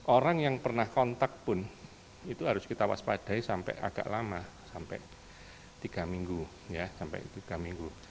orang yang pernah kontak pun itu harus kita waspadai sampai agak lama sampai tiga minggu